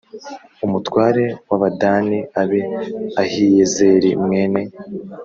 umutware w Abadani abe Ahiyezeri mwene